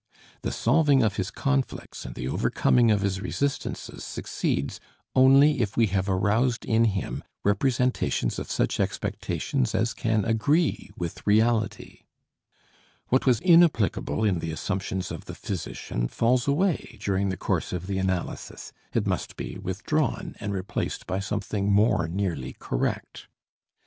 The solving of his conflicts and the overcoming of his resistances succeeds only if we have aroused in him representations of such expectations as can agree with reality. What was inapplicable in the assumptions of the physician falls away during the course of the analysis; it must be withdrawn and replaced by something more nearly correct.